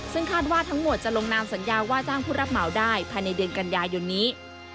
ซึ่งคาดว่าทั้งหมดจะลงนามสัญญาว่าจ้างผู้รับเหมาได้ภายในเดือนกันยายนนี้